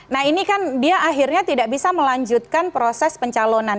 nah ini kan dia akhirnya tidak bisa melanjutkan proses pencalonan